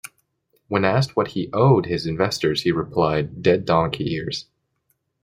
When asked what he owed his investors he replied: "dead donkey ears".